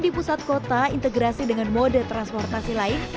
di pusat kota integrasi dengan mode transportasi lain